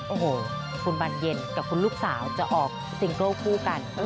โอ้โหคุณบานเย็นกับคุณลูกสาวจะออกซิงเกิลคู่กัน